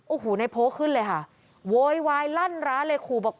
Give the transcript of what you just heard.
โอ้โหในโพลขึ้นเลยค่ะโวยวายลั่นร้านเลยขู่บอก